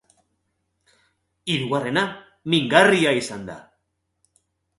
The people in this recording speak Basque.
Hirugarrena mingarria izan da.